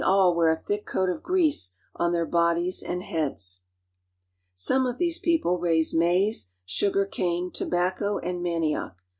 ^^^kll wear a thick coat of grease on their bodies and heads. I AFRICA ^^^V Some of these people raise maize, sugar cane, tobacco, ^^^1 and manioc.